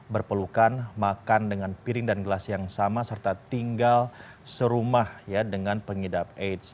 berpelukan makan dengan piring dan gelas yang sama serta tinggal serumah ya dengan pengidap aids